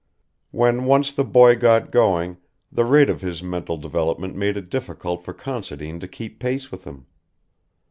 When once the boy got going, the rate of his mental development made it difficult for Considine to keep pace with him.